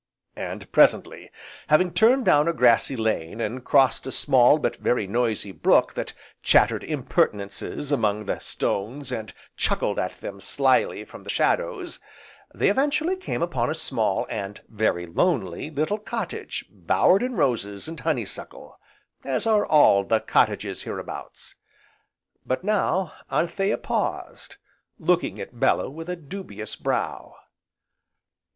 And presently, having turned down a grassy lane and crossed a small but very noisy brook that chattered impertinences among the stones and chuckled at them slyly from the shadows, they eventually came upon a small, and very lonely little cottage bowered in roses and honeysuckle, as are all the cottages hereabouts. But now Anthea paused, looking at Bellew with a dubious brow.